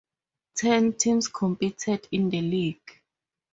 Ten teams competed in the league.